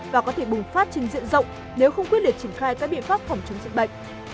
và có thể bùng phát trên diện rộng nếu không quyết liệt triển khai các biện pháp phòng chống dịch bệnh